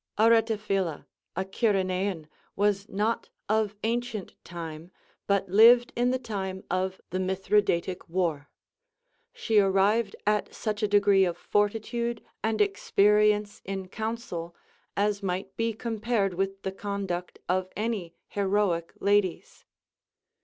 Aretaphila, a Cyrenaean, was not of ancient time, but lived in the time of the Mithridatic war. She arrived at such a degree of fortitude and experience in counsel as might be compared with the conduct of any heroic ladies.